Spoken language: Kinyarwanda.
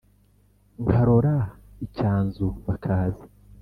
nkarora icyanzu bakaza.